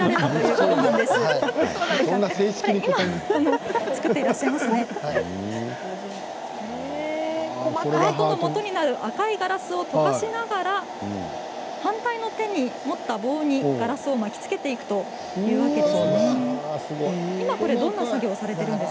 笑い声ハートのもとになる赤いガラスを溶かしながら反対の手に持った棒にガラスを巻きつけていくんです。